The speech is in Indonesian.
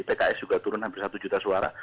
pks juga turun hampir satu juta suara